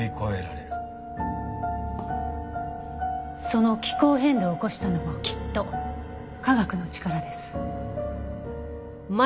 その気候変動を起こしたのもきっと科学の力です。